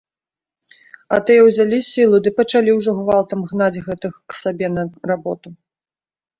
А тыя ўзялі сілу ды пачалі ўжо гвалтам гнаць гэтых к сабе на работу.